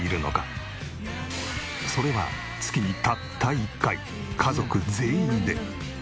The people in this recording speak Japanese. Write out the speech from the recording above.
それは月にたった１回家族全員で。